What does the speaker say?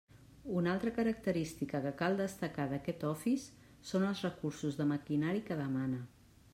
Una altra característica que cal destacar d'aquest Office són els recursos de maquinari que demana.